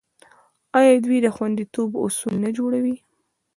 آیا دوی د خوندیتوب اصول نه جوړوي؟